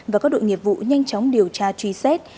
và các đội nghiệp vụ nhanh chóng điều tra truy xét